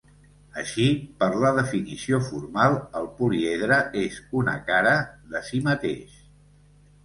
Així, per la definició formal, el políedre és una cara de si mateix.